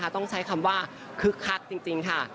ต้องใช้คำว่าคึกคักจริงค่ะ